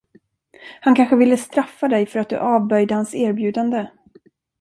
Han kanske ville straffa dig för att du avböjde hans erbjudande.